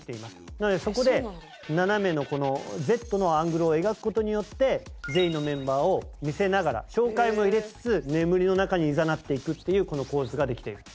なのでそこで斜めのＺのアングルを描く事によって全員のメンバーを見せながら紹介も入れつつ眠りの中にいざなっていくっていうこの構図ができている。